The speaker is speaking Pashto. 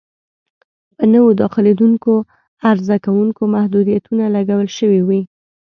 په نویو داخلېدونکو عرضه کوونکو محدودیتونه لګول شوي وي.